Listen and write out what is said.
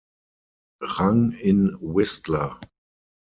Rang in Whistler.